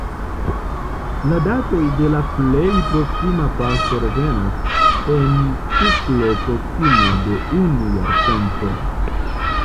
La datoj de la plej proksima paso revenas en ciklo proksime de unu jarcento.